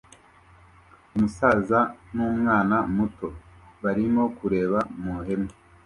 Umusaza n'umwana muto barimo kureba mu ihema